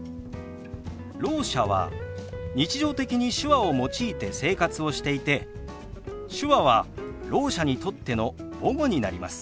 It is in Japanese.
ろう者は日常的に手話を用いて生活をしていて手話はろう者にとっての母語になります。